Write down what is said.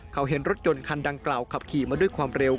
เขาเห็นรถยนต์คันดังกล่าวขับขี่มาด้วยความเร็ว